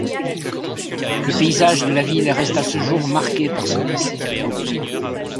Le paysage de la ville reste à ce jour marqué par ce passé.